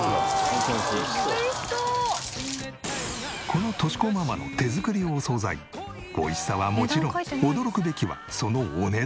この敏子ママの手作りお惣菜美味しさはもちろん驚くべきはそのお値段。